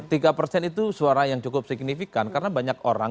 tiga persen itu suara yang cukup signifikan karena banyak orang